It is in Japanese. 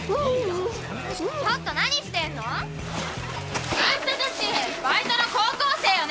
・ちょっと何してんの！あんたたちバイトの高校生よね。